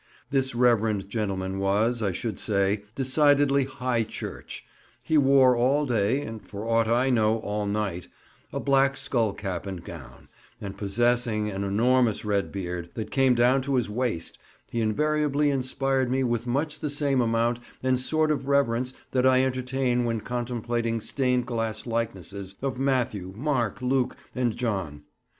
This reverend gentleman was, I should say, decidedly High Church; he wore all day (and for aught I know all night) a black skull cap and gown, and possessing an enormous red beard, that came down to his waist, he invariably inspired me with much the same amount and sort of reverence that I entertain when contemplating stained glass likenesses of Matthew, Mark, Luke, and John.